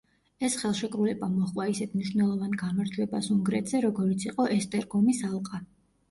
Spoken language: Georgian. ეს ხელშეკრულება მოჰყვა ისეთ მნიშვნელოვან გამარჯვებას უნგრეთზე, როგორიც იყო ესტერგომის ალყა.